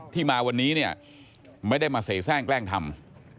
ที่มาวันนี้ไม่ได้มาเสกแทรกแกล้งทำ